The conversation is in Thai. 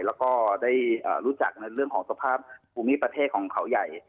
แล้วก็ได้รู้จักในเรื่องของสภาพภูมิประเทศของเขาใหญ่